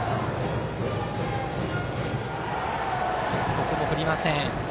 ここも振りません。